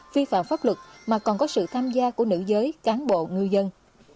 vi phạm pháp luật mà còn có sự tham gia của nữ giới cán bộ ngư dân